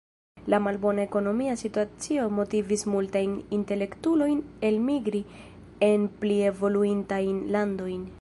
La malbona ekonomia situacio motivis multajn intelektulojn elmigri en pli evoluintajn landojn.